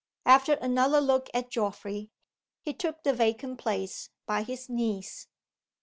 After another look at Geoffrey, he took the vacant place by his niece.